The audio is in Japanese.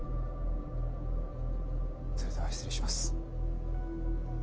それでは失礼します。